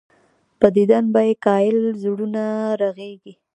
پۀ ديدن به ئې ګهائل زړونه رغيږي